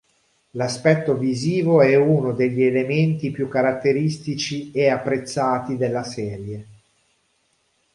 L'aspetto visivo è uno degli elementi più caratteristici e apprezzati della serie.